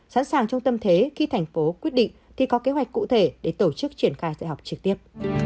sẵn sàng trong tâm thế khi thành phố quyết định thì có kế hoạch cụ thể để tổ chức triển khai dạy học trực tiếp